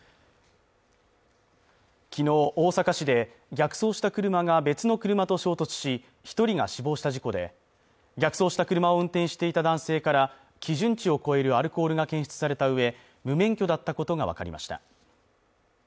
昨日大阪市で逆走した車が別の車と衝突し一人が死亡した事故で逆走した車を運転していた男性から基準値を超えるアルコールが検出された上無免許だったことが分かりました